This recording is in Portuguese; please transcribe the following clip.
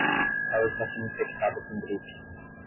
Ela está sendo infectada com gripe.